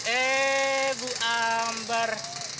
eh bu ambar